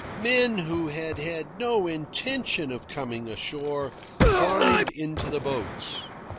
Men who had had no intention of coming ashore climbed into the boats.